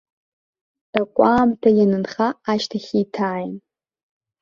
Такәаамҭа ианынха ашьҭахь еиҭааин.